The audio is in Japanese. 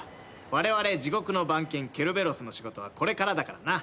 われわれ地獄の番犬ケルベロスの仕事はこれからだからな。